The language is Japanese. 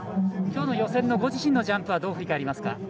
きょうの予選のご自身のジャンプはどう振り返りますか？